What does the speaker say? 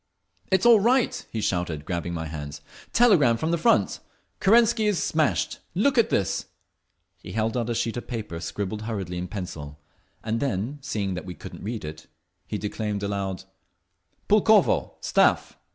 "It's all right!" he shouted, grabbing my hands. "Telegram from the front. Kerensky is smashed! Look at this!" He held out a sheet of paper, scribbled hurriedly in pencil, and then, seeing we couldn't read it, he declaimed aloud: Pulkovo. Staff.